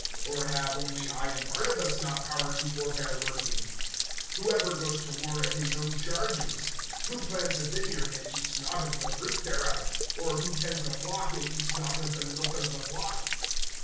(6)Or have only I and Barnabas not power to forbear working? (7)Who ever goes to war at his own charges? Who plants a vineyard, and eats not of the fruit thereof? Or who tends a flock, and eats not of the milk of the flock?